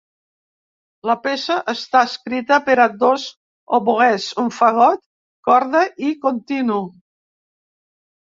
La peça està escrita per a dos oboès, un fagot, corda i continu.